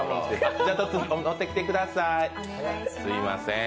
じゃあ持ってきてください。